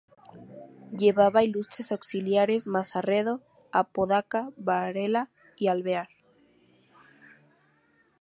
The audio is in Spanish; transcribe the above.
Llevaba ilustres auxiliares: Mazarredo, Apodaca, Varela y Alvear.